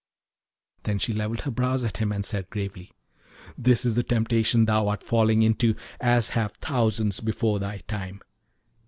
Then she levelled her brows at him, and said gravely, 'This is the temptation thou art falling into, as have thousands before thy time.